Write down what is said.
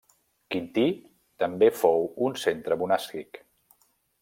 Quintí, també fou un centre monàstic.